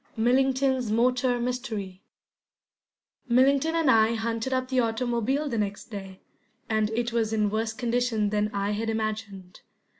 MILLINGTON'S MOTOR MYSTERY MILLINGTON and I hunted up the automobile the next day, and it was in worse condition than I had imagined.